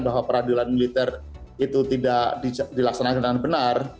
bahwa peradilan militer itu tidak dilaksanakan dengan benar